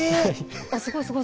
すごい、すごい。